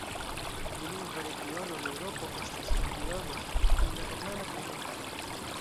Dulingva regiono en Eŭropo estas Sudtirolo, kun la germana kaj la itala.